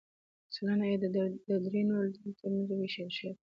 سلنه یې د درې نورو ډلو ترمنځ ووېشل شوې.